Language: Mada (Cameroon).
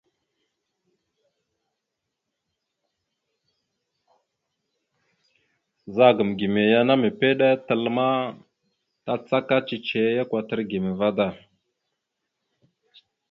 Ɓəzagam gime ya ana mèpiɗe tal ma, tàcaka cicihe ya kwatar gime vaɗ da.